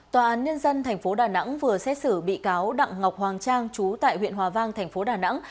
tòa án nhân dân tp đà nẵng vừa xét xử bị cáo đặng ngọc hoàng trang trú tại huyện hòa vang thành phố đà nẵng